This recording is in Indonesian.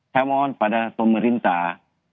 saya mohon pada pemerintah